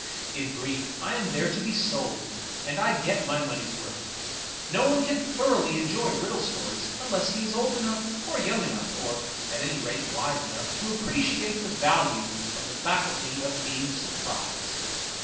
In brief, I am there to be sold, and I get my money's worth. No one can thoroughly enjoy riddle stories unless he is old enough, or young enough, or, at any rate, wise enough to appreciate the value of the faculty of being surprised.